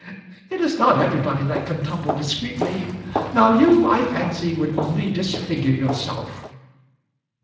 It is not everybody that can tumble discreetly. Now you, I fancy, would only disfigure yourself."